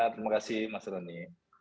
terima kasih mas roni